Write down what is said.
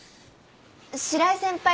白井先輩。